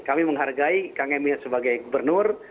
kami menghargai kang emil sebagai gubernur